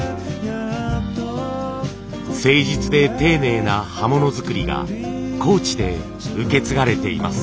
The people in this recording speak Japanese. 誠実で丁寧な刃物作りが高知で受け継がれています。